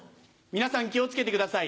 皆さん気を付けてください